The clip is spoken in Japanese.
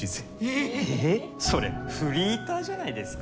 えぇ・えっそれフリーターじゃないですか・